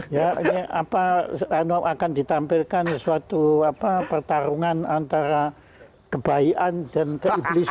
ya ini apa akan ditampilkan suatu pertarungan antara kebaikan dan keiblisan